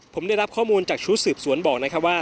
ผมได้รับข้อมูลจากชุดสืบสวนบอกนะครับว่า